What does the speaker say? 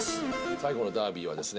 最後のダービーはですね